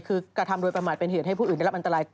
คือกระทำโดยประมาทเป็นเหตุให้ผู้อื่นได้รับอันตราย